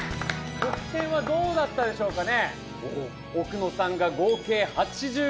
得点はどうなったでしょうかね？